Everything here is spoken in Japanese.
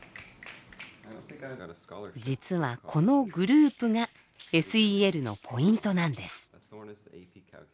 実はこのグループがＳＥＬのポイントなんです。